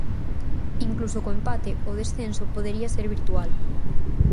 Incluso co empate, o descenso podería ser virtual.